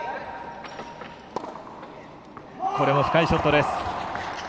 これも深いショットです。